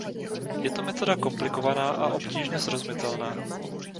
Je to metoda komplikovaná a obtížně srozumitelná.